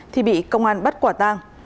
thì bị công an bắt quả tàng